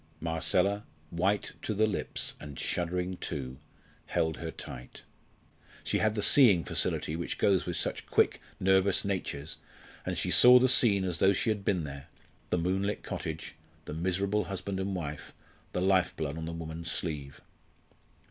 Marcella, white to the lips and shuddering too, held her tight. She had the seeing faculty which goes with such quick, nervous natures, and she saw the scene as though she had been there the moonlit cottage, the miserable husband and wife, the life blood on the woman's sleeve.